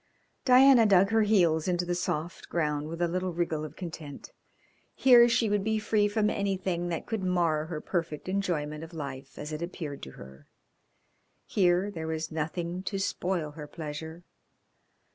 Diana dug her heels into the soft ground with a little wriggle of content; here she would be free from anything that could mar her perfect enjoyment of life as it appeared to her. Here there was nothing to spoil her pleasure.